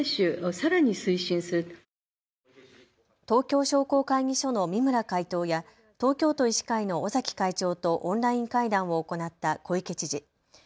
東京商工会議所の三村会頭や東京都医師会の尾崎会長とオンライン会談を行った小池知事。